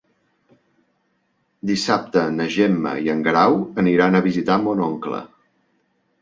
Dissabte na Gemma i en Guerau aniran a visitar mon oncle.